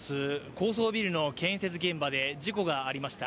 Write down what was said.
高層ビルの建設現場で事故がありました。